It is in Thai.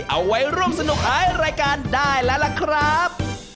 เอาไว้ร่วมสนุกท้ายรายการได้แล้วล่ะครับ